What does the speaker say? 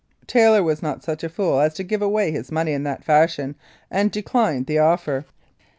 Taylor was not such a fool as to give away his money in that fashion, and declined the offer.